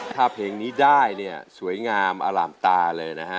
ถ้าเพลงนี้ได้เนี่ยสวยงามอร่ามตาเลยนะฮะ